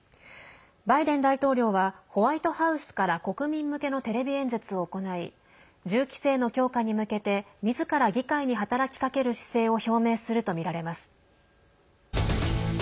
バイデン大統領はホワイトハウスから国民向けのテレビ演説を行い銃規制の強化に向けてみずから議会に働きかける姿勢を表明するとみられます。